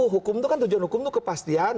hukum itu kan tujuan hukum itu kepastian